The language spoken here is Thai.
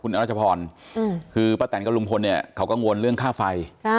คุณอาจพรคือป้าแตนกับลุงพลเขากังวลเรื่องค่าไฟ